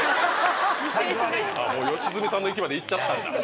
良純さんの域まで行っちゃったんだ。